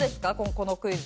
このクイズ。